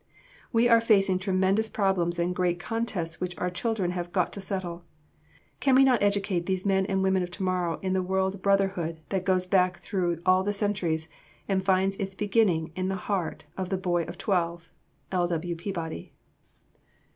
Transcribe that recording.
"We are facing tremendous problems and great contests which our children have got to settle. Can we not educate these men and women of tomorrow in the world brotherhood that goes back through all the centuries and finds its beginning in the heart of the Boy of Twelve?" L. W. Peabody.